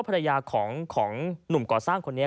ภรรยาของหนุ่มก่อสร้างคนนี้